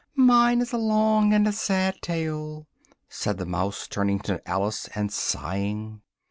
"Mine is a long and a sad tale!" said the mouse, turning to Alice, and sighing.